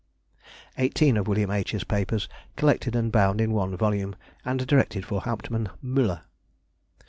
Eighteen of Wm. H.'s Papers, collected and bound in one volume, and directed for Hauptman Müller.